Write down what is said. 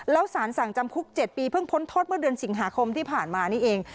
แล้วสารสั่งจำคุก๗ปีเพิ่งพ้นโทษเมื่อเดือนสิงหาคมที่ผ่านมานี่เอง